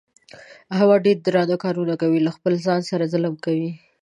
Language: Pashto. احمد ډېر درانه کارونه کوي. له خپل ځان سره ظلم کوي.